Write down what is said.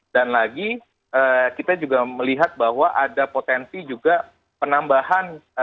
dan lagi kita juga melihat bahwa ada potensi juga penambahan